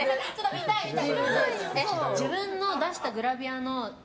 見たい、見たい！